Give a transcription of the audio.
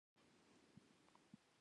مذهبي احساسات را وپاروي.